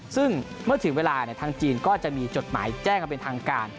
ซึ่งเมื่อถึงเวลาทางจีนก็จะมีจดหมายแจ้งกันเป็นทางการ